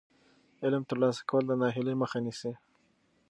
علم ترلاسه کول د ناهیلۍ مخه نیسي.